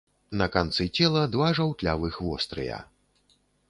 На канцы цела два жаўтлявых вострыя.